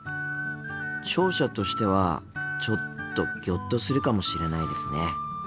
聴者としてはちょっとギョッとするかもしれないですね。